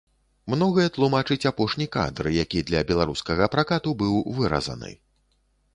Многае тлумачыць апошні кадр, які для беларускага пракату быў выразаны.